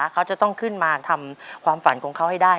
เขาจะต้องขึ้นมาทำความฝันของเขาให้ได้